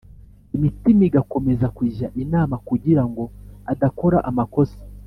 Imitima igakomeza kujya inama kugirango adakora amakosa